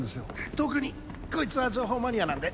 特にこいつは情報マニアなんで。